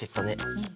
うん。